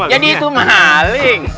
jadi itu maling